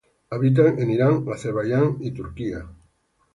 Habita en Irán, Azerbaiyán y Turquía.